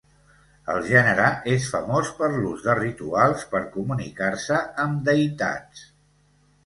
El gènere és famós per l'ús de rituals per comunicar-se amb deïtats.